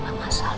udah ada masalah